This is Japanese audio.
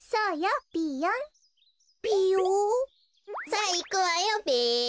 さあいくわよべ。